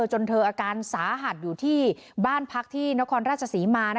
จนเธออาการสาหัสอยู่ที่บ้านพักที่นครราชศรีมา